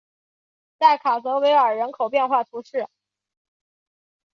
代卡泽维尔人口变化图示